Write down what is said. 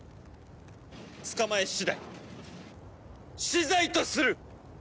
捕まえ次第死罪とする！